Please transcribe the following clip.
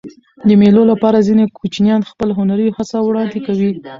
د مېلو له پاره ځيني کوچنيان خپله هنري هڅه وړاندي کوي.